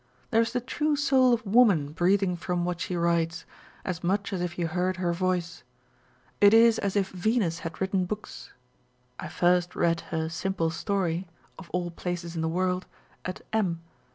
There is the true soul of woman breathing from what she writes, as much as if you heard her voice. It is as if Venus had written books. I first read her Simple Story (of all places in the world) at M